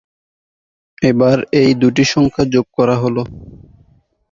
এবার এই দুটি সংখ্যা যোগ করা হল।